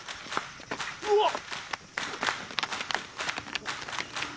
うわっ！